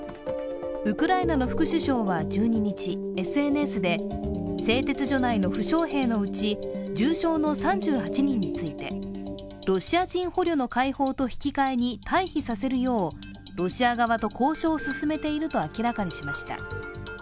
ウクライナの副首相は１２日ＳＮＳで製鉄所内の負傷兵のうち重傷の３８人についてロシア人捕虜の解放と引き換えに退避させるようロシア側と交渉を進めていると明らかにしました。